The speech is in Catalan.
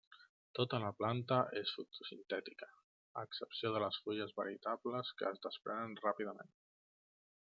Tota la planta és fotosintètica a excepció de les fulles veritables que es desprenen ràpidament.